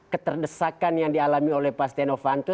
keterdesakan yang dialami oleh pas tia novanto